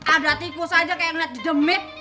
ada tikus aja kayak ngeliat di demi